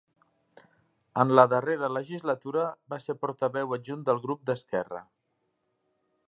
En la darrera legislatura va ser portaveu adjunt del grup d'Esquerra.